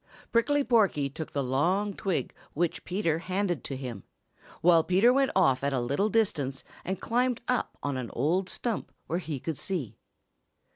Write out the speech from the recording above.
Prickly Porky took the long twig which Peter handed to him, while Peter went off at a little distance and climbed up on an old stump where he could see.